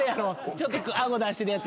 ちょっと顎出してるやつやろ。